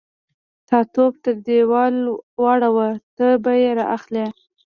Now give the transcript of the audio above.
_تا توپ تر دېوال واړاوه، ته به يې را اخلې.